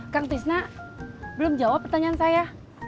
kang tisna belum jawab pertanyaan saya